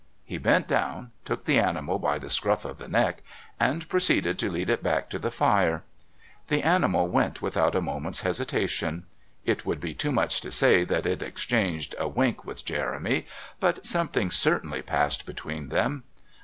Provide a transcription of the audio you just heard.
He bent down, took the animal by the scruff of the neck, and proceeded to lead it back to the fire. The animal went without a moment's hesitation; it would be too much to say that it exchanged a wink with Jeremy, but something certainly passed between them.